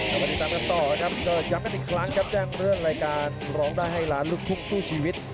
กลับมาติดตามกันต่อนะครับก็ย้ำกันอีกครั้งครับแจ้งเรื่องรายการร้องได้ให้ล้านลูกทุ่งสู้ชีวิต